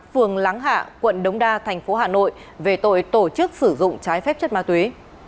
phường láng hạ quận đống đa thành phố hà nội về tội tổ chức sử dụng trái phép chất ma túy